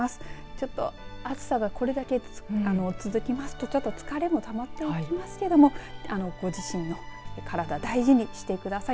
ちょっと暑さがこれだけ続きますと疲れもたまっていきますけどもご自身の体大事にしてください。